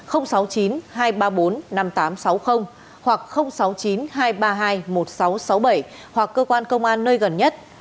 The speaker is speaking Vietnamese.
sáu mươi chín hai trăm ba mươi bốn năm nghìn tám trăm sáu mươi hoặc sáu mươi chín hai trăm ba mươi hai một nghìn sáu trăm sáu mươi bảy hoặc cơ quan công an nơi gần nhất